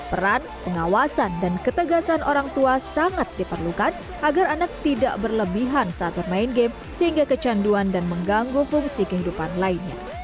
peran pengawasan dan ketegasan orang tua sangat diperlukan agar anak tidak berlebihan saat bermain game sehingga kecanduan dan mengganggu fungsi kehidupan lainnya